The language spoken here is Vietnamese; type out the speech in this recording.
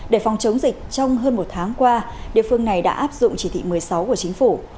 để phòng chống dịch trong hơn một tháng qua địa phương này đã áp dụng chỉ thị một mươi sáu của chính phủ